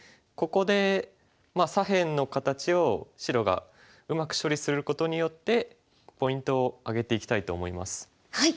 ここで左辺の形を白がうまく処理することによってポイントを挙げていきたいと思います。